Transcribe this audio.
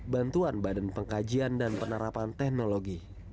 bantuan badan pengkajian dan penerapan teknologi